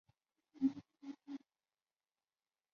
库里蒂巴努斯是巴西圣卡塔琳娜州的一个市镇。